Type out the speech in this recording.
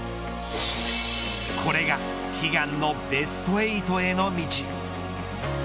これが悲願のベスト８への道。